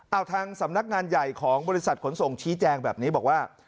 เอาทางสำนักงานใหญ่ของบริษัทขนส่งชี้แจงแบบนี้บอกว่า